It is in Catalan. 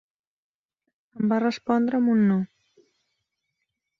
Em va respondre amb un no.